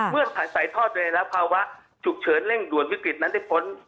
เมื่อสายทอดเรนและภาวะฉุกเฉินเร่งด่วนวิกฤตนั้นได้ผล